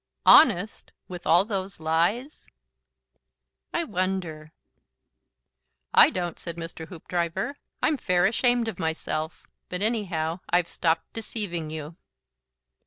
"Honest with all those lies!" "I wonder." "I don't," said Mr. Hoopdriver. "I'm fair ashamed of myself. But anyhow I've stopped deceiving you."